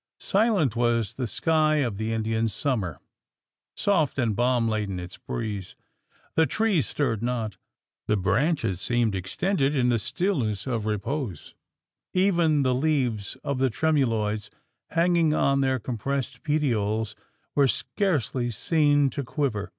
Silent was the sky of the Indian summer soft and balm laden its breeze. The trees stirred not; the branches seemed extended in the stillness of repose; even the leaves of the tremuloides, hanging on their compressed petioles, were scarcely seen to quiver.